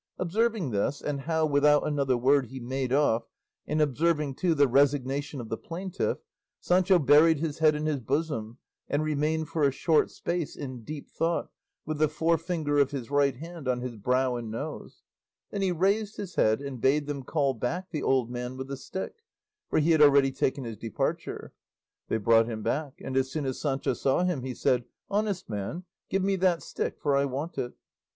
Observing this, and how, without another word, he made off, and observing too the resignation of the plaintiff, Sancho buried his head in his bosom and remained for a short space in deep thought, with the forefinger of his right hand on his brow and nose; then he raised his head and bade them call back the old man with the stick, for he had already taken his departure. They brought him back, and as soon as Sancho saw him he said, "Honest man, give me that stick, for I want it."